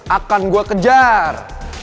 akan gue kejar